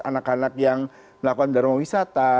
anak anak yang melakukan darmawisata